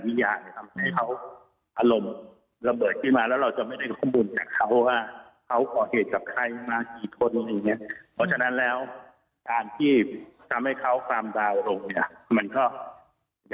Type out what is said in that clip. เพื่อป้องกันไม่ให้ประชาชนซึ่งอยู่ในห้างได้เกิดความปลอดภัย